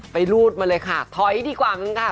รูดมาเลยค่ะถอยดีกว่ามั้งค่ะ